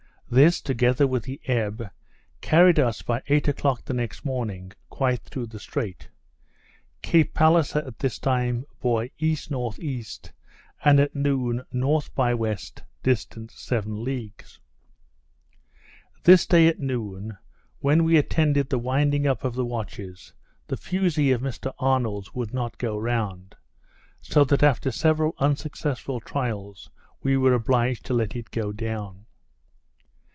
This, together with the ebb, carried us by eight o'clock the next morning quite through the strait. Cape Palliser at this time bore E.N.E., and at noon N. by W. distant seven leagues. This day at noon, when we attended the winding up of the watches, the fusee of Mr Arnold's would not turn round, so that after several unsuccessful trials we were obliged to let it go down.